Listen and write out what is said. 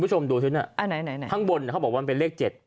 ห้างบนเขาบอกว่ามันเป็นเลข๗